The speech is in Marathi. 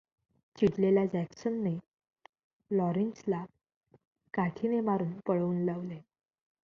चिडलेल्या जॅक्सनने लॉरेन्सला काठीने मारून पळवून लावले.